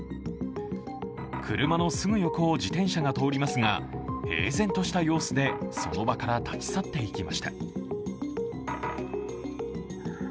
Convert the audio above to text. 車のすぐ横を自転車が通りますが平然とした様子でその場から立ち去っていきました。